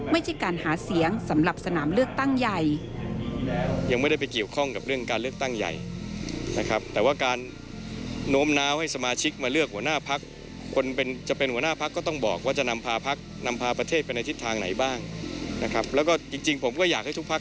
ไม่ใช่การหาเสียงสำหรับสนามเลือกตั้งใหญ่